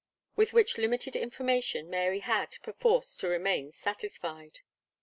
With which limited information Mary had, perforce, to remain satisfied.